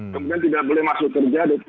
kemudian tidak boleh masuk kerja